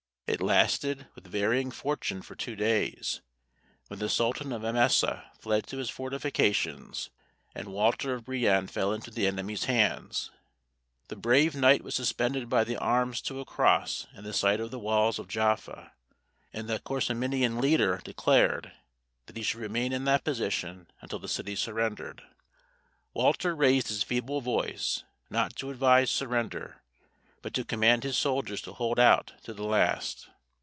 It lasted with varying fortune for two days, when the sultan of Emissa fled to his fortifications, and Walter of Brienne fell into the enemy's hands. The brave knight was suspended by the arms to a cross in sight of the walls of Jaffa, and the Korasminian leader declared that he should remain in that position until the city surrendered. Walter raised his feeble voice, not to advise surrender, but to command his soldiers to hold out to the last.